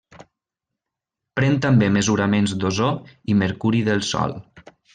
Pren també mesuraments d'ozó i mercuri del sòl.